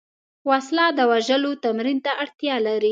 وسله د وژلو تمرین ته اړتیا لري